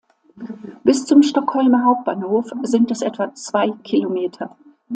Bis zum Stockholmer Hauptbahnhof sind es etwa zwei Kilometer.